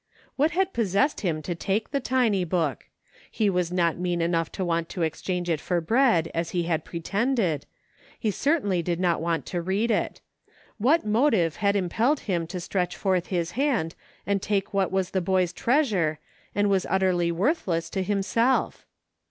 What had pos sessed him to take the tiny book ? He was not mean enough to want to exchange it for bread, as he had pretended. He certainly did not want to read it. What motive had impelled him to stretch forth his hand and take what was the boy's treas ure, and was utterly worthless to himself